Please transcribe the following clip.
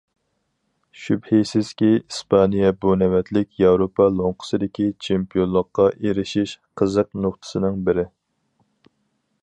شۈبھىسىزكى، ئىسپانىيە بۇ نۆۋەتلىك ياۋروپا لوڭقىسىدىكى چېمپىيونلۇققا ئېرىشىش قىزىق نۇقتىسىنىڭ بىرى.